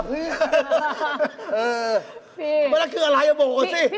เออพี่ไม่ได้คืออะไรอย่าบอกคนสิ